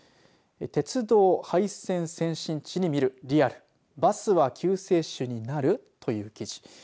鉄道廃線先進地に見るリアルバスは救世主になるという記事。